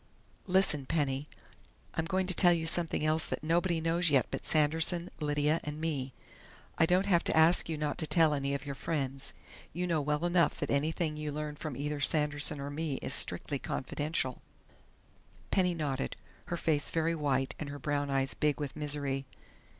Listen, Penny! I'm going to tell you something else that nobody knows yet but Sanderson, Lydia and me. I don't have to ask you not to tell any of your friends. You know well enough that anything you learn from either Sanderson or me is strictly confidential." Penny nodded, her face very white and her brown eyes big with misery.